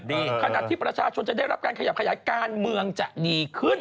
ขนาดที่ประชาชนจะได้รับการขยับขยายการเมืองจะดีขึ้น